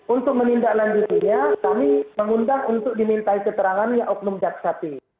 untuk menindaklanjutinya kami mengundang untuk dimintai keterangannya oknum jaksa p